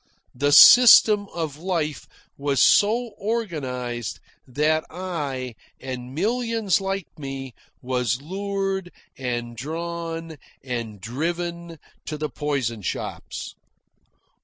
The system of life was so organised that I (and millions like me) was lured and drawn and driven to the poison shops.